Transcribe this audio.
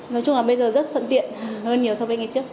nói chung là bây giờ rất phận tiện hơn nhiều so với ngày trước